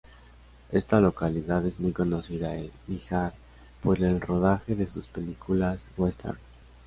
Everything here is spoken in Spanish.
Esta localidad es muy conocida en Níjar por el rodaje de sus películas western.